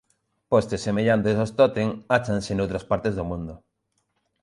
Postes semellantes aos tótem áchanse noutras partes do mundo.